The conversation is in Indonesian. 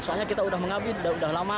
soalnya kita sudah mengabdi sudah lama